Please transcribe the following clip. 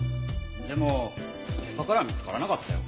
でも現場からは見つからなかったよ。